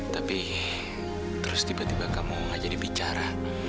tapi terus tiba tiba kamu aja dibicara